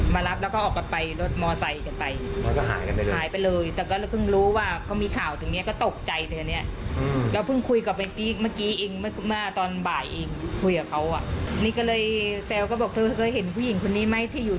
๖วันที่๑๐อ่ะเขาไม่ได้กลับเข้ามาครั้งเดียว